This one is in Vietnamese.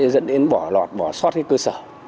dẫn đến bỏ lọt bỏ xót hết cơ sở